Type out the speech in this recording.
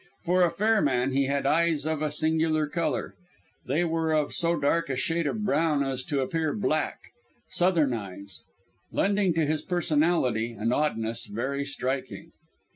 For a fair man, he had eyes of a singular colour. They were of so dark a shade of brown as to appear black: southern eyes; lending to his personality an oddness very striking.